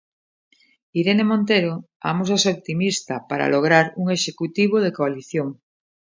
Irene Montero amósase optimista para lograr un executivo de coalición.